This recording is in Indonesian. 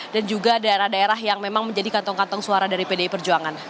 dan juga daerah daerah yang memang menjadi kantong kantong suara dari pdi perjuangan